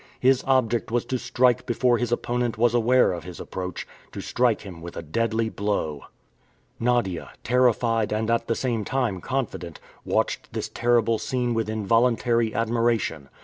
His object was to strike before his opponent was aware of his approach, to strike him with a deadly blow. Nadia, terrified and at the same time confident, watched this terrible scene with involuntary admiration.